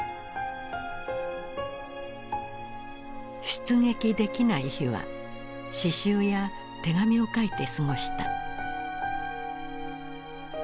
出撃できない日は刺しゅうや手紙を書いて過ごした。